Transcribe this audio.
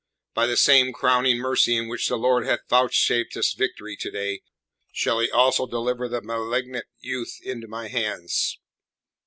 By the same crowning mercy in which the Lord hath vouchsafed us victory to day shall He also deliver the malignant youth into my hands.